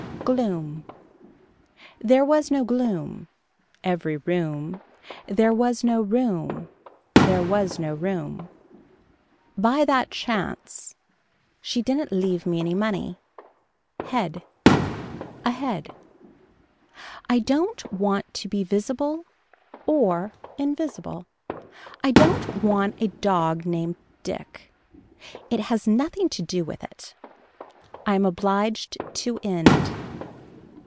Gloom. There was no gloom. Every room. There was no room. There was no room. Buy that chance. She didn't leave me any money. Head. Ahead. I don't want to be visible or invisible. I don't want a dog named Dick. It has nothing to do with it. I am obliged to end.